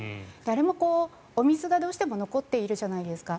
あれもお水がどうしても残っているじゃないですか。